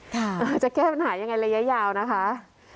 จะแก้ปัญหายังไงระยะยาวนะคะ